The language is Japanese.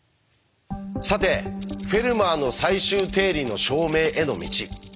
さて「フェルマーの最終定理」の証明への道。